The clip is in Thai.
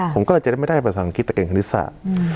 ผมก็เลยจะได้ไม่ได้ภาษาอังกฤษตัวเองคณิตศาสตร์